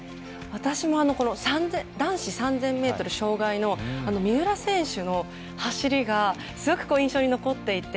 私も男子３０００ｍ障害の三浦選手の走りがすごく印象に残っていて。